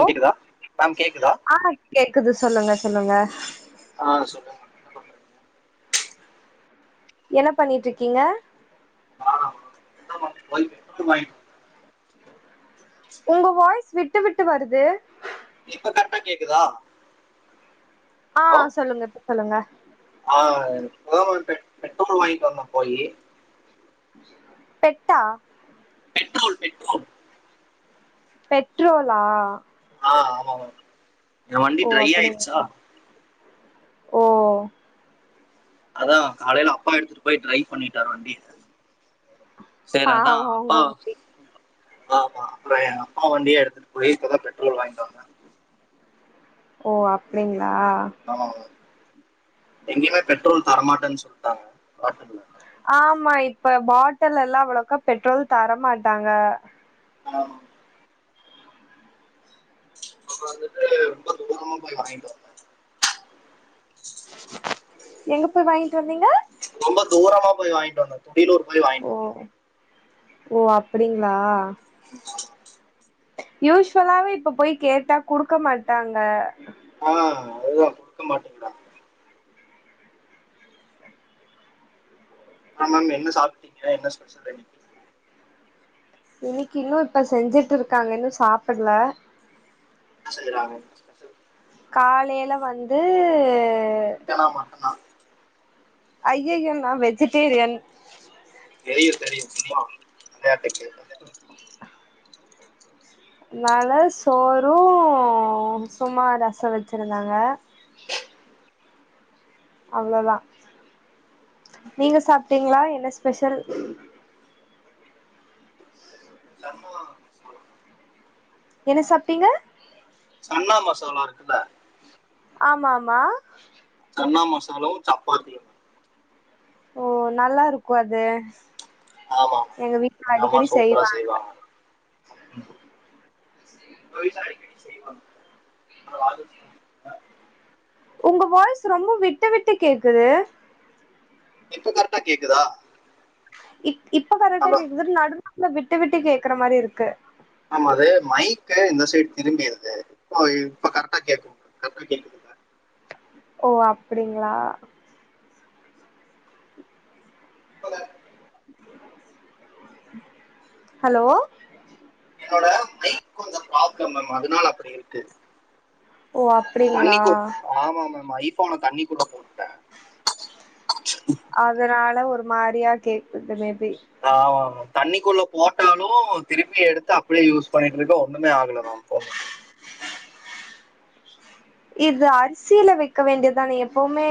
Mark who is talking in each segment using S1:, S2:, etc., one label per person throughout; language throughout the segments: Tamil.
S1: ஓ
S2: கேக்குதா மேம் கேக்குதா
S1: ஆ கேக்குது சொல்லுங்க சொல்லுங்க
S2: ஆ சொல்லுங்க [unintelligible] என்ன பண்றிங்க?
S1: என்ன பண்ணிட்டிருக்கீங்க
S2: இப்ப தா மேம் போய் பெட்ரோல் வாங்ட்டு வந்தே
S1: உங்க வாய்ஸ் விட்டு விட்டு வருது
S2: இப்ப கரெக்டா கேக்குதா ஹலோ
S1: ஆஹ சொல்லுங்க இப்ப சொல்லுங்க
S2: ஆ [unintelligible] பெட்ரோல் வாங்கிட்டு வர்னு போயி
S1: பெட்டா
S2: பெட்ரோல் பெட்ரோல்
S1: பெட்ரோலா
S2: ஆ ஆமா மேம் எ வண்டி
S1: ஓ
S2: ட்ரை ஆயிருச்சா
S1: அப்படிங்களா ஓ
S2: அதா காலைல அப்பா எடுத்துட்டு போய் ட்ரை பண்ணிட் டாரு வண்டிய சேர் அதா
S1: பாவோ உங்க
S2: அப்பா
S1: மம்மி
S2: ஆமா அப்பறோ எ அப்பா வண்டிய எடுத்துட்டு போய் இப்பதா பெட்ரோல் வாங்கிட்டு வந்தே
S1: ஓ அப்படிங்
S2: ஆமாங்க எங்கயுமே பெட்ரோல் தரமாட்டனு சொல்ட்டாங்க பாட்டில்
S1: ஆமா இப்ப பாட்டில் எல்லா அவ்வளோக்கா பெட்ரோல் தரமாட்டாங்க
S2: ஆமா [unintelligible] அப்றோ வந்துட்டு ரொம்ப தூரமா போய் வாங்கிட்டு வந்தே
S1: எங்க போய் வாங்கிட்டு வந்தீங்க
S2: ரொம்ப தூரமா போய் வாங்கிட்டு வந்துட்டே தீலூர்
S1: ஓ
S2: வாங்கிட்டு வந்தே
S1: ஓ அப்படிங்ளா யூஸ்வலாவே இப்ப போய் கேட்டா குடுக்க மாட்டாங்க
S2: ஆ அதுதா குடுக்க மாட்டிங்கறாங்க ஆமாங் என்ன சாப்ட்டீங்க என்ன ஸ்பெஷல் இன்னிக்கு
S1: இன்னைக்கு இன்னு இப்ப செஞ்சுட்டுருக்காங்க இன்னு சாப்பட்ல
S2: [unintelligible]
S1: காலைல வந்து
S2: சிக்கனா மாட்டனா
S1: அய்யயோ நா வெஜிடேரியன்
S2: தெரியு தெரியு சும்மா விளயாட்டுக் கேட்ட
S1: நானால சோறு சும்மா ரசோ வச்ருந்தாங்க அவ்ளோதா நீங்க சாப்டீங்களா என்ன ஸ்பெசல்
S2: சன்னா மசாலா
S1: என்ன சாப்டிங்க
S2: சென்னா மசாலா இருக்குல்ல
S1: ஆமா ஆமா
S2: சென்னா மசாலாவு சப்பாதியு
S1: ஓ நல்லா இருக்கு அது
S2: ஆமா எங்க அம்மா சூப்பரா செய்வாங்க
S1: [inaudible]
S2: [unintelligible]
S1: உங்க வாய்ஸ் ரொம்ப விட்டு விட்டு கேக்குது
S2: இப்ப கரெக்டா கேக்குதா
S1: இப் இப்ப கரெக்டா
S2: ஹலோ
S1: கேக்குது நடு நாடுல ந விட்டு விட்டு கேக்குற மாரி இருக்கு
S2: ஆமா அது மைக் இந்த சைடு திரும்பிருது இப்ப இப்ப கரெக்டா கரெக்டா கேக்குதுல்ல
S1: ஓ அப்டிங்களா
S2: [unintelligible]
S1: ஹலோ
S2: என்னோட மைக் கொஞ்கம் ப்ராப்ளம் அதனால அப்டி இருக்கு
S1: ஓ
S2: தண்ணி
S1: அப்டிங்களா
S2: ஆமா ஆமா ஆமா ஐ போன தண்ணி கூட போ
S1: அதனால ஒரு மாரியா கேக்தும
S2: ஆ ஆமா ஆமா தண்ணிக்குள்ள போட்டாலு திருப்பி எடுத்து அப்டியே யூஸ் பண்ணிட்டு இருக்கே ஒண்ணுமே ஆகல மேம் போ
S1: இது அரிசியில வைக்க வேண்டியதான எப்பவுமே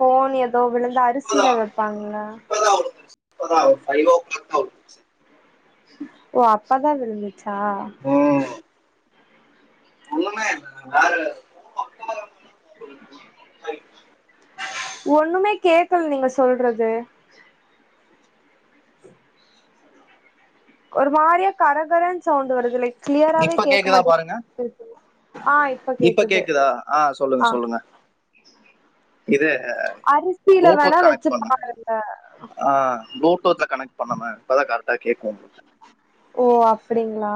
S1: போன் ஏதோ விழுந்து அரிசியில
S2: இப்போதான்
S1: வப்பாங்களா [inaudible]
S2: இப்போதான் [unintelligible]
S1: ஓ அப்ப தான் விந்துச்சு அா
S2: ஒன்னுமே [inaudible]
S1: ஒண்ணுமே கேக்கல் நீங்க சொல்றது ஒரு மாரியா கரகரன் சவுண்டு வருது லை
S2: இப்ப கேக்குதா பாருங்க
S1: ஆ
S2: இப்ப
S1: கேக்குது
S2: கேக்குதா ஆ சொல்லுங்க
S1: ஆ
S2: சொல்லுங்க இது
S1: அரிசியில வேணா
S2: ப்ளூடூத் கனெக்ட்
S1: வச்சு
S2: பண்ண
S1: பாருங்க
S2: ஆ ப்ளூடூத்ல கனெக்ட் பண்ணாம இப்ப தா கரெட்டா கேக்
S1: ஓ அப்டிங்களா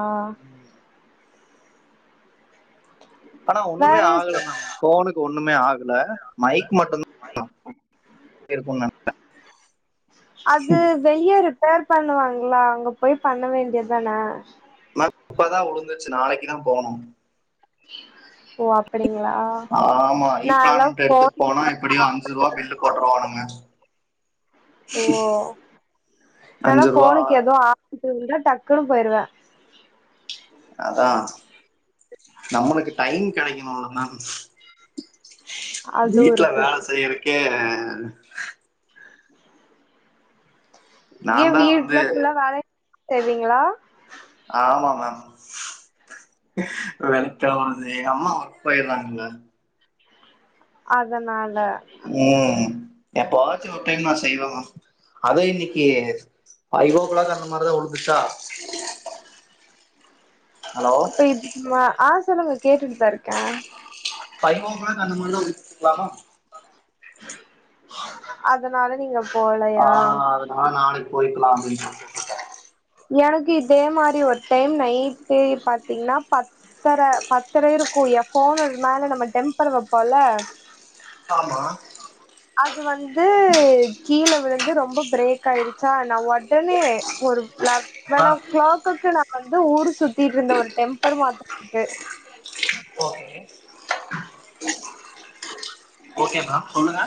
S2: ஆனா ஒன்னுமே
S1: வேற
S2: ஆகல மேம் ஃபோனுக்கு ஒன்னுமே ஆகல மைக் மட்டு
S1: அது வெய்யருப் ப்பேர் பண்ணுவாங்கல்ல அங்க போய் பண்ண வேண்டியதான
S2: இப்பதா உழுந்துச்சு நாளைக்குதா போனும்
S1: ஓ அப்படிங்களா
S2: ஆமா ஈ
S1: நான்லா
S2: ப்ளாணின்ட்ட எடுத்துட்
S1: ஃபோன்
S2: போனா எப்புடியு அஞ்சு ருவா பில்லு போட்ருவானுங்க
S1: ஓ
S2: அஞ்சு ருவா
S1: இவுங்ளுக்லா டக்குனு போயிருவ
S2: அதா நம்மளுக்கு டைம் கெடைக்கணுல்ல மேம்
S1: அதுவு
S2: வீட்ல
S1: இருக்கு
S2: வேல செய்யறக்கே ம்
S1: ஏ
S2: நான் தான்
S1: வீட்ல
S2: வந்து
S1: ஃபுல்லா வேலை செய்வீங்களா
S2: ஆமா மேம் வெக்க வருது எங்க அம்மா போயிருந்தாங்க மேம்
S1: அதனால்
S2: ம் எப்பவாச்சும் ஒரு டைம் நான் செய்வ மேம் அது இன்னைக்கு ஃபைவோ கிளாக் அந்த மாரிதா ஒளு உஷா
S1: அப்ப இது ம ஆ சொல்லுங்க கேட்டுட்டுதான் இருக்கேன்
S2: ஃபைவோ கிளாக் அந்த மாரி தா [unintelligible]
S1: அதனால நீங்க
S2: ஆ
S1: போலையா
S2: அதனால நாளைக்கு போயி க்லா அப்டீன்னு
S1: எனக்கு இதே மாரி ஒரு டைம் நைட் பாத்தீங்கன்னா பத்தரை பத்தரை இருக்கும் ஏ ஃபோன் ல் மேல நம்ம டெம்பர் வப்போம்ல
S2: ஆமா
S1: அது வந்து கீழ விழுந்து ரொம்ப பிரேக் ஆயிடுச்சா நா ஒட் உடனே ஒரு
S2: ஆ
S1: லவனோ க்ளாக்குக்கு நான் வந்து ஊர் சுத் த்திட்ருந்த ஒரு டெம்பர் மாட் [unintelligible]
S2: ஓகே
S1: ஆஹ
S2: ஓகே மேம் சொல்லுங்க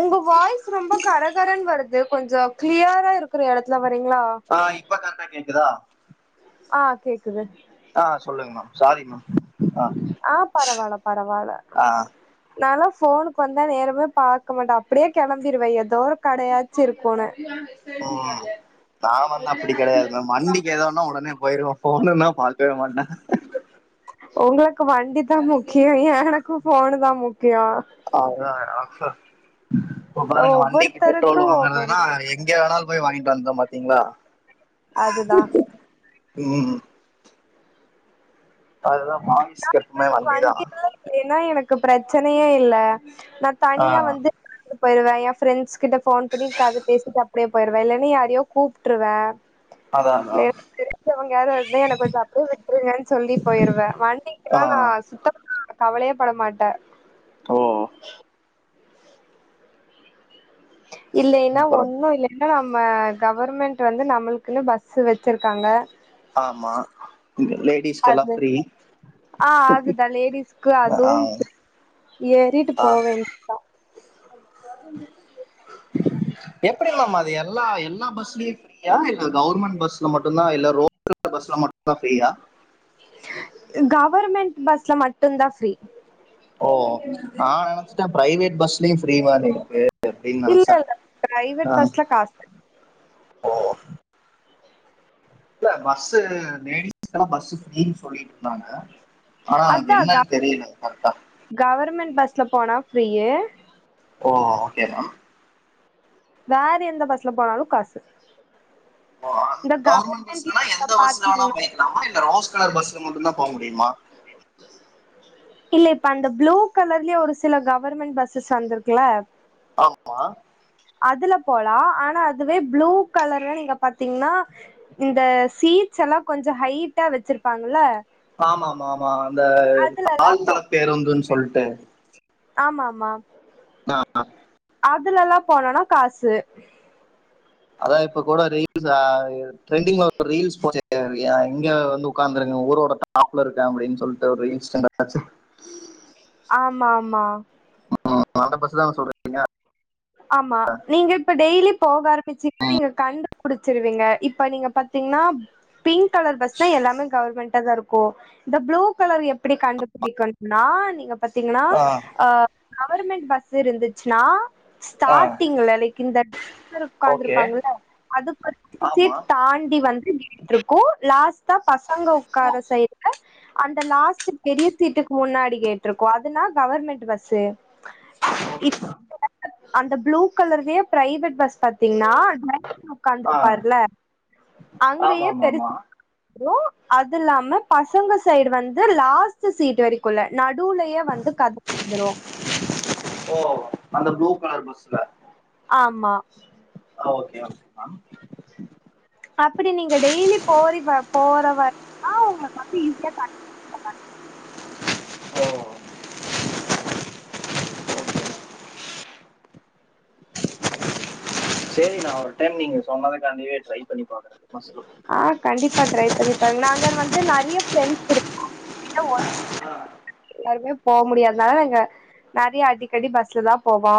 S1: உங்க வாய்ஸ் ரொம்ப கரகரன் வருது கொஞ்சம் கிளியரா இருக்கிற எடத்துல வந்
S2: ஆ இப்ப கரட்டா கேக்குதா
S1: ஆ கேக்குது
S2: ஆ சொல்லுங்க மேம் சாரி மேம்
S1: ஆ பரவால்ல பரவாயில்ல
S2: ஆ
S1: நா லா சு ஃபோனுக்கு வந்தா நேரமே பார்க்க மாட்ட அப்படியே கிளம்பிடுவ ஏதோ ஒரு கடையாச்சி இருக்கன்னு
S2: உம் நாம வந்து அப்படி கிடையாது வண்டிக்கு ஏதோன்னா உடனே போயிருவோ போணு நா பாக்கவே மாட்ட
S1: உங்களுக்கு வண்டி தா முக்கியோ எனக்கு போனு தான் முக்கியோ
S2: ஆ ஆ இப்ப பாருங்க வண்டிக்கு
S1: ஒவ்வொருத்தருக்கு
S2: பெட்ரோல்
S1: ஒவ்வொரு
S2: வாங்குறதுன்னா எங்கே வேணால போய் வாங்கிட்டு வந்தோ பாத்தீங்களா
S1: அதுதா
S2: உம் அதுதா
S1: நா
S2: ஆபிஸ்க்கூ எப்புமே வண்டிதா
S1: க்கு பெரச்சனையே யில்ல நா
S2: ஆ
S1: தனியா வந்து போய்ருவ என் ஃபிரெண்ஸ் கிட்ட போன் பண்ணி கத பேசிட்டு அப்டியே போயிடுவ இல்லன்னு யாரையோ கூப்டுருவ
S2: அதான் அதான்
S1: [unintelligible] என கொஞ்சோ அங்க விட்டுருங்கன்னு சொல்லி போயிடுவ
S2: ஆ
S1: பண்ணிக்லா நா சுத்த கவலையே பட மாட்ட
S2: ஓ
S1: இல்லைன்னா
S2: சூப்பர்
S1: ஒண்ணு இல்லன்னா கவர்மெண்ட் வந்து நம்ளுக்குன்னு பஸ்சு வச்சிருகாங்க
S2: ஆமா லேடிஸ்க்கெல்லாம்
S1: அது
S2: ஃப்ரீ
S1: ஆஹ் அதுதா லேடிஸ்க்கு அது
S2: ஆ
S1: ஃப்ரீ ஏறிட்டு போ வேண்டி தா
S2: எப்டி மேம் அது எல்லா எல்லா பஸ்லே யான் இல்ல கௌவர்மெண்ட் பஸ்ல மட்டு தா இல்ல ரோ பஸ்ல மட்டு ஃப்ரியா
S1: கவர்மெண்ட் பஸ்ல மட்டு்தா ஃப்ரீ
S2: ஓ நா நெனச்சடன் பிரைவேட் பஸ்லயு ஃப்ரீவான இருக்கு அப்படின்னு
S1: இல்ல
S2: நினைச்சேன்
S1: இல்ல பிரைவேட் பஸ்ல காசு
S2: ஓ இல்ல பஸ்ஸ லேடிஸ்கெல்லா பஸ்ஸ ஃப்ரீனு சொல்ட்டு சொன்னாங்க ஆனா எனக்கு
S1: அதா
S2: என்னன்
S1: கவர்
S2: தெரில கரெக்டா
S1: கவர்மெண்ட் பஸ்ல போனா ஃப்ரீயு
S2: ஓ ஓக்கே மேம்
S1: வேற எந்த பஸ்ல போனாலு காசு
S2: ஓ
S1: இந்த
S2: கௌவர்மண்ட் பஸ்ல வேனா
S1: கவர்மெண்ட்லயே நீங்க
S2: எந்த பஸ்ல வேணா
S1: பாத்தீங்கன்னா
S2: போய்கலாமா இல்ல ரோஸ் கலர் பஸ்ல மட்டு தா போ முடியுமா
S1: இல்ல இப்ப அந்த ப்ளூ கலர்லையே ஒரு சில கௌவர்மண்டட் பஸ்ஸஸ் வந்திருக்குல
S2: ஆமா
S1: அதுல போலா ஆனா அதுவே ப்ளூ கலர்ல நீங்க பாத்தீங்ன்னா இந்த சீட்ஸ் எல்லா கொஞ்சோ ஹைட்டா வச்சிருப்பாங்கல
S2: ஆமா ஆமா ஆமா அந்த
S1: அதுலல்லா
S2: ஆழ் தள பேருந்துன்னு சொல்டு டு
S1: ஆம்மாமா
S2: ஆ
S1: அதுல எல்லா போன காசு
S2: அதா இப்ப கூட ரீல்ஸ் ஆ ட்ரெண்டிங்ல ஒரு ரீல்ஸ் போச்சே எங்க வந்து உட்காந்துருங்க ஊரோட டாப்ல இருக்க அப்படின்னு சொல்லிட்டு ஒரு ரீல்ஸ்
S1: ஆமா ஆமா
S2: உ அத பத்தி தானே சொல்றிக்கீங்க
S1: ஆமா நீங்க இப்ப டெய்லிப் போகறம் ச்சி நீங்க கண்டு புடிச்சிருவீங்க இப்ப நீங்க பாத்தீங்கன்னா பிங்க் கலர் பஸ் தா எல்லாமே கவர்மெண்ட் டேதற்கோ இந்த ப்ளூ கலர் எப்படி கண்டுபிடிக்கணும்னா நீங்க பாத்தீங்கன்னா ஆ கவர்வர்மெண்ட் பஸ் இருந்துச்சுன்னா ஸ்டார்ட்டிங்ல லைக் இந்த தட் தடிக் தெருர்
S2: ஓகே
S1: உட்கார்ந்துருப்பாங்கள
S2: ஆமா
S1: அதுக்குடச் தாண்டி வந்து நின்னுற்றுருக்கு லாஸ்டா பசங்க உக்கார சைடுல அந்த லாஸ்ட் பெரிய சீட்டுக்கு முன்னாடி கேட்டிருக்கோ அதுனா கவர்மெண்ட் பஸ்சு க் அந்த ப்ளூ கலர்லேயே பிரைவேட் பஸ் பத் த்திகனா டிரைவர்
S2: ஆ
S1: உட்கார்ந்துப்பாருல
S2: ஆமா
S1: அங்கையே
S2: ஆமா ஆமா
S1: பெருசு போ அது இல்லாம பசங்க சைடு வந்து லாஸ்ட் சீட் வரைக்குள்ள நடு நடூவலையே வந்து கத வந்துரு
S2: பூளு கலர் பஸ்ல
S1: ஆமா
S2: ஓக்கே ஓக்கே மேம்
S1: அப்படி நீங்க டெய்லி போறி ப போற வரைக் தா [unintelligible]
S2: ஓ செரி நா ஒரு டைம் நீங்க சொன்னது காண்டி ட்ரை பண்ணி பார்க்குறேன் பஸ்ஸில் போய்
S1: ஆ கண்டிப்பா ட்ரை பண்ணிப்பாருங்க நாங்க வந்து நறிய பிரண்ட்ஸ் இருக்கோ இத ஒரு
S2: ஆ
S1: மறுப்டியோ போக முடியாததுனால ங்க நெறைய அடிக்கடி பஸ்ல தா போவோ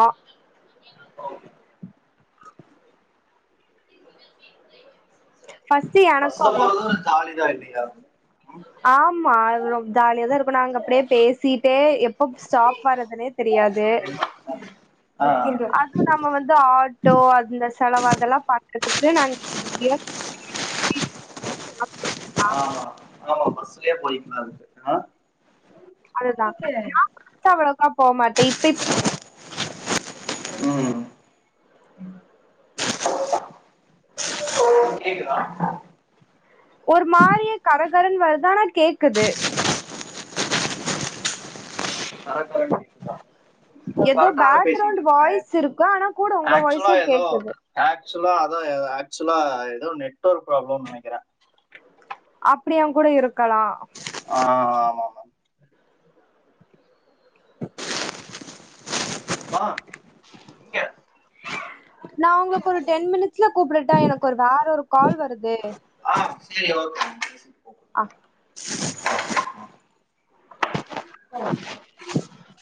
S2: [unintelligible]
S1: ஃபர்ஸ்ட் எனக்கு
S2: பஸ்ல போறது
S1: அவ்ளோக்கா
S2: ஒரு ஜாலி தான் இல்லையா
S1: ஆம்மா ஜாலிய தா இருப்போ அப்டியே பேசிட்டே எப்ப ஸ்டாப் வரதுனே தெரியாது
S2: ம்? ஆ
S1: அது நம்ம வந்து ஆட்டோ அந்த செலவு அதெல்லா பாக்றதுக் [unintelligible]
S2: ஆ ஆ ஆமா பஸ்சுலயே போயிக்கலான்றிக்க
S1: அதுதா நா அப்ப [unintelligible] அவளேக்கா போமாட்டே இப்ப [unintelligible]
S2: ம்
S1: ம்
S2: [unintelligible] கேக்குதா
S1: ஒரு மாறியே கரகரன் வருது ஆனா கேக்குது
S2: [unintelligible]
S1: எதோ
S2: கரெக்டா தான்
S1: பேக்ரவுண்ட்
S2: பேசிட்டு இருக்கேன்
S1: வாய்ஸ் இருக்க ஆனா கூட உங்க
S2: ஆக்சுவலா
S1: வாய்ஸ்ஸு
S2: ஏதோ
S1: கேக்குது
S2: ஆக்சுவலா அதா ஆக்சுவலா எதோ நெட்ஒர்க் ப்ராப்ளம்ன் நெனைக்கிறே
S1: அப்படியு கூட இருக் கலா
S2: ஆ, ஆமா ஆமா மா
S1: நா உங்ளுக்கு ஒரு டென் மினிட்ஸ்ல கூப்புட் டா எனக்கு ஒரு வேற ஒரு கால் வருது
S2: செரி ஓகே [unintelligible]
S1: ஆ
S2: [inaudible]